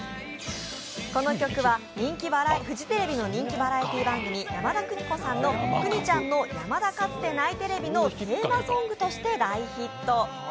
この曲はフジテレビの人気バラエティー番組、山田邦子さんの「邦ちゃんのやまだかつてないテレビ」のテーマソングとして大ヒット。